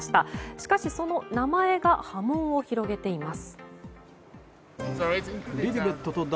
しかし、その名前が波紋を広げています。